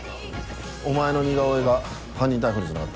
お前の似顔絵が犯人逮捕につながった。